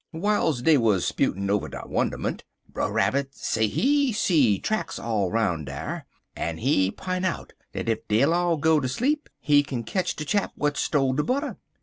W'iles dey wuz sputin' over de wunderment, Brer Rabbit say he see tracks all 'roun' dar, en he p'int out dat ef dey'll all go ter sleep, he kin ketch de chap w'at stole de butter.